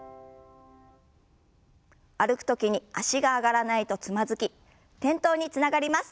歩く時に脚が上がらないとつまずき転倒につながります。